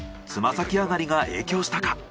つま先上がりが影響したか。